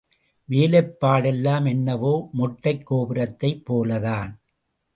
வேலைப் பாடெல்லாம் என்னவோ மொட்டைக் கோபுரத்தைப் போலத்தான்.